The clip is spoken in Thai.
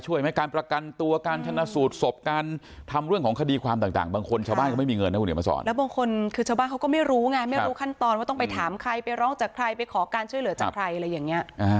ใช่ค่ะเหอะว่าเขามีอะไรช่วยไหม